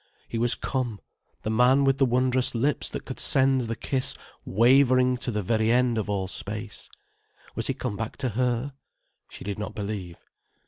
He was come, the man with the wondrous lips that could send the kiss wavering to the very end of all space. Was he come back to her? She did not believe.